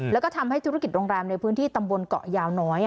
แล้วก็ทำให้ธุรกิจโรงแรมในพื้นที่ตำบลเกาะยาวน้อย